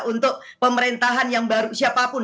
untuk pemerintahan yang baru siapapun